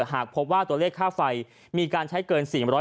หากพบว่าตัวเลขค่าไฟมีการใช้เกิน๔๐๐